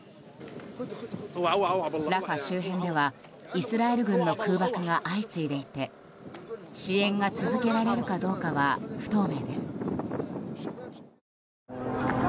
ラファ周辺では、イスラエル軍の空爆が相次いでいて支援が続けられるかどうかは不透明です。